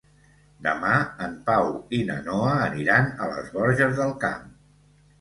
Demà en Pau i na Noa aniran a les Borges del Camp.